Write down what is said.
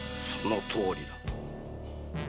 そのとおりだ。